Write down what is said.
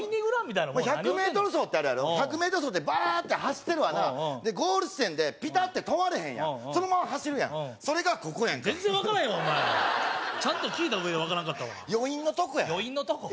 １００ｍ走ってあるやろ１００ｍ走でバーッて走ってるわなゴール地点でピタッて止まれへんやんそのまま走るやんそれがここやんか全然分からへんわお前ちゃんと聞いた上で分からんかったわ余韻のとこや余韻のとこ？